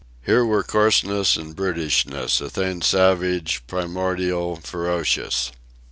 Here were coarseness and brutishness a thing savage, primordial, ferocious.